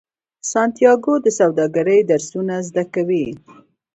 سانتیاګو د سوداګرۍ درسونه زده کوي.